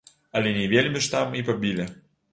Але не вельмі ж там і пабілі.